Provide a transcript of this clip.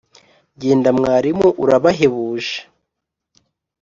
Jyenda Mwarimu urabahebuje!